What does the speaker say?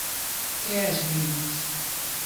Què és Linux?